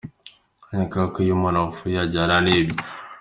Nkeka ko iyo umuntu apfuye ajyana nibye.